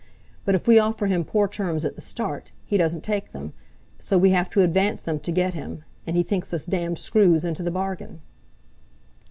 But if we offer him poor terms at the start, he doesn't take them, so we have to advance them to get him, and he thinks us damned screws into the bargain.